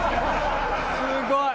すごい。